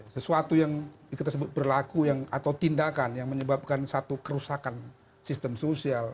sesuatu yang kita sebut berlaku atau tindakan yang menyebabkan satu kerusakan sistem sosial